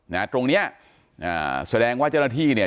ตรงเนี้ยอ่าแสดงว่าเจ้าหน้าที่เนี่ย